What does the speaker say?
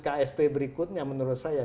ksp berikutnya menurut saya